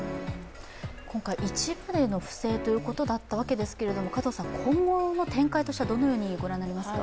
今回一部での不正ということだったわけですけれども、今後の展開としてはどのようにご覧になりますか？